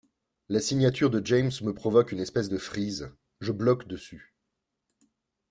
La signature de James me provoque une espèce de freeze, je bloque dessus.